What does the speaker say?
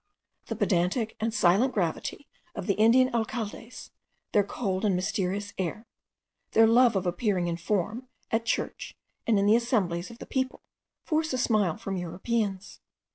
The pedantic and silent gravity of the Indian alcaldes, their cold and mysterious air, their love of appearing in form at church and in the assemblies of the people, force a smile from Europeans.